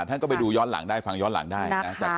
ท่านก็ไปดูย้อนหลังได้ฟังย้อนหลังได้นะ